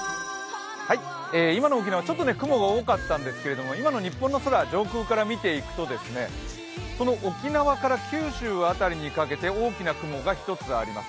今の沖縄、ちょっと雲が多かったんですけれども、今の日本の空、上空から見ていくと沖縄から九州にかけて大きな雲があります。